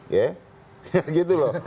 ya gitu loh